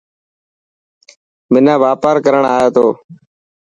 منا واپار ڪرڻ آئي ٿو.